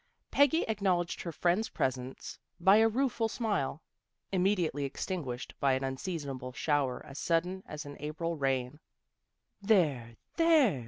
Peggy acknowledged her friend's presence by a rueful smile, immediately extin guished by an unseasonable shower, as sudden as an April rain. " There! There!